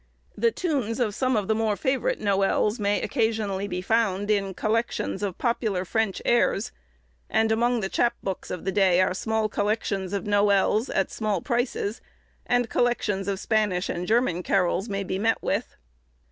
The tunes of some of the more favourite noëls may occasionally be found in collections of popular French airs; and among the chap books of the day are small collections of noëls at small prices, and collections of Spanish and German carols may be met with.